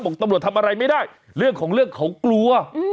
ตำรวจทำอะไรไม่ได้เรื่องของเรื่องเขากลัว